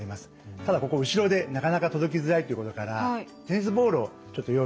ただここ後ろでなかなか届きづらいっていうことからテニスボールをちょっと用意してみました。